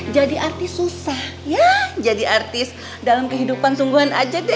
jadi artis susah ya jadi artis dalam kehidupan sungguhan aja deh